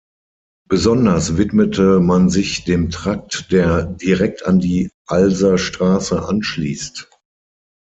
Besonders widmete man sich dem Trakt, der direkt an die Alser Straße anschließt.